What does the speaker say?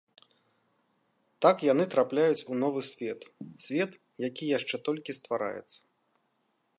Так яны трапляюць у новы свет, свет, які яшчэ толькі ствараецца.